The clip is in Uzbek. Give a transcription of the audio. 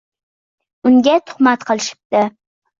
Unga tuhmat qilishibdi